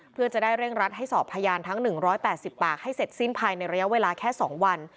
เพื่อจะได้เร่งรัดให้สอบพยานทั้ง๑๘๐ปากให้เสร็จสิ้นภายในระยะเวลาแค่๒วัน